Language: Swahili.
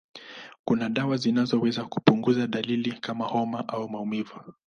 Kuna dawa zinazoweza kupunguza dalili kama homa au maumivu.